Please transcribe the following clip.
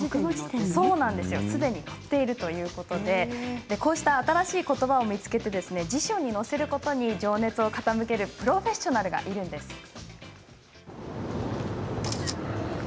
すでに載っているということでこうした新しいことばを見つけて辞書に載せることに情熱を傾けるプロフェッショナルがいるんです。